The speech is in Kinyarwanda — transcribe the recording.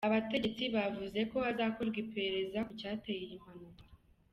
Abategetsi bavuze ko hazakorwa iperereza ku cyateye iyi mpanuka.